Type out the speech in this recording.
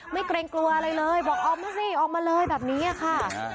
เกรงกลัวอะไรเลยบอกออกมาสิออกมาเลยแบบนี้ค่ะ